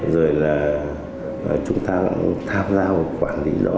rồi là chúng ta cũng tham gia một quản lý đó